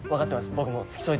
僕も付き添いで。